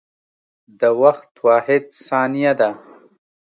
د وخت واحد ثانیه ده.